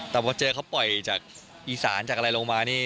แต่พอเจอเขาปล่อยจากอีสานจากอะไรลงมานี่